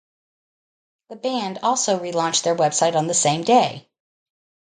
The band also relaunched their website on the same day.